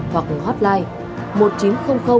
hoặc hotline một nghìn chín trăm linh ba trăm sáu mươi tám